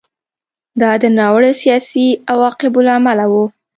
دا د ناوړه سیاسي عواقبو له امله و